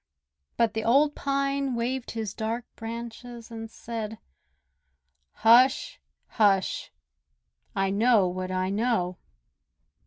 But the old Pine waved his dark branches and said: "Hush! hush! I know what I know!"